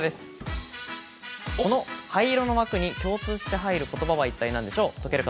この灰色の枠に共通して入ることばは何でしょうか？